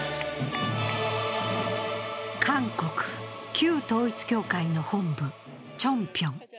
韓国・旧統一教会の本部、チョンピョン。